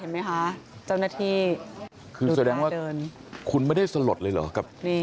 ไม่น่าเชื่อนะดูสิไม่ได้รู้สึกผิดสลดหรืออะไรเหรอคะ